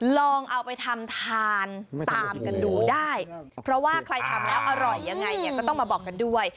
ลองเอาไปทำทานตามกันดูได้เพราะว่าใครทำแล้วอร่อยยังไงเนี่ยก็ต้องมาบอกกันด้วย